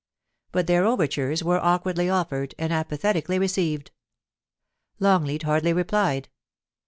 But their over tures were awkwardly offered and apathetically received Longleat hardly replied.